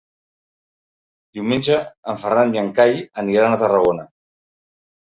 Diumenge en Ferran i en Cai aniran a Tarragona.